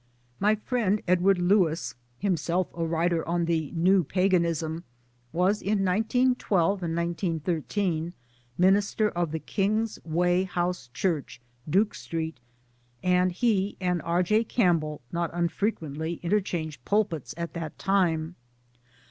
My friend Edward Lewis, himself a writer on The New Paganism, was in 1912 and 1913 minister of the King's Weigh House Church, Duke Street, Wt., and he and R. J. Campbell not unfrequently inter^ changed pulpits at that tirrie.